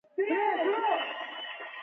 د سپرم د زیاتوالي لپاره د کدو تخم وخورئ